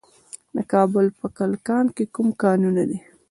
د کابل په کلکان کې کوم کانونه دي؟